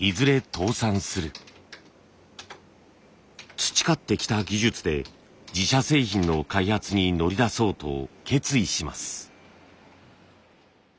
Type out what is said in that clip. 培ってきた技術で自社製品の開発に乗り出そうと決意します。